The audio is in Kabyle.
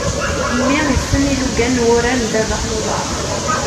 Mmi yessen ilugan n wurar n ddabex n uḍar.